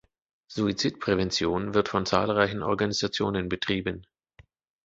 Suizidprävention wird von zahlreichen Organisationen betrieben.